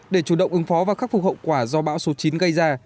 để chủ động ứng phó và khắc phục hậu quả do bão số chín gây ra